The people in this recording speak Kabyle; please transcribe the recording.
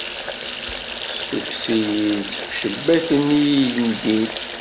Ssukkes-iyi-d seg ucebbak i yi-ndin.